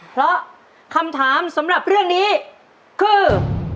เพราะคำถามสำหรับเรื่องนี้คือ